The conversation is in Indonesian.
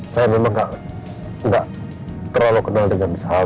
saya memang gak terlalu kenal dengan sal